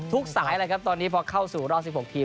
สายเลยครับตอนนี้พอเข้าสู่รอบ๑๖ทีม